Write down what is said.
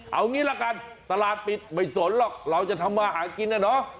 เอางี้ละกันตลาดปิดไม่สนหรอกเราจะทำมาหากินนะเนาะ